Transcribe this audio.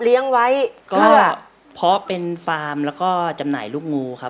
และเค้าเป็นฟาร์มและจำหน่ายลูกงู